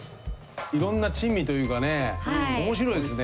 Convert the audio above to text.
いろんな珍味というかねおもしろいですね。